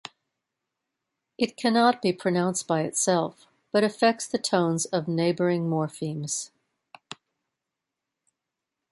It cannot be pronounced by itself, but affects the tones of neighboring morphemes.